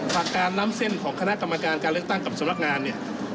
หลักการล้ำเส้นของคณะกรรมการการเลือกตั้งกับสำนักงานเนี่ย